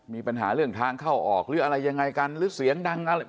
มีปัญหาเรื่องทางเข้าออกหรืออะไรยังไงกันหรือเสียงดังอะไร